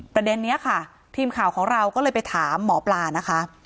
ประเด็นนี้ค่ะทีมข่าวของเราก็เลยไปถามหมอปลานะคะ